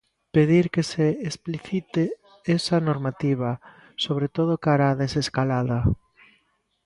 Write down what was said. Pedir que se explicite esa normativa, sobre todo cara á desescalada.